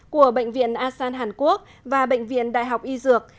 của bệnh viện asan hàn quốc và bệnh viện đại học y dược